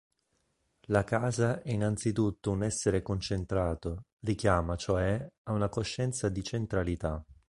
La casa è innanzitutto un "essere concentrato", richiama, cioè, a una coscienza di centralità.